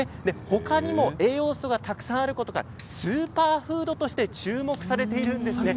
他にも栄養素がたくさんあることからスーパーフードとして注目されているんですね。